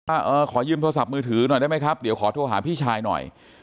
เออขอยืมโทรศัพท์มือถือหน่อยได้ไหมครับเดี๋ยวขอโทรหาพี่ชายหน่อย